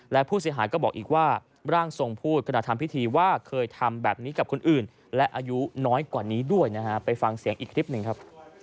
และผู้เสียหายก็บอกอีกว่าร่างทรงพูดขณะทำพิธีว่าเคยทำแบบนี้กับคนอื่นและอายุน้อยกว่านี้ด้วยนะฮะไปฟังเสียงอีกคลิปหนึ่งครับ